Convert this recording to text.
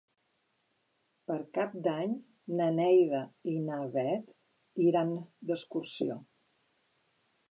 Per Cap d'Any na Neida i na Bet iran d'excursió.